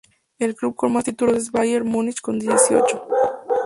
El club con más títulos es el Bayern Múnich con dieciocho.